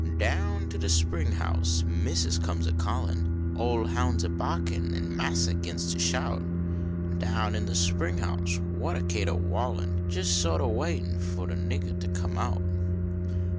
Down to de spring house missus eomes a callin ()! hound s a bahkin an massa gins ter shout. Down in de spring house what a catenvaulin Jals sort a waitin fo de niggah to come out.